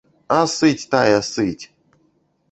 А сыць тая, сыць!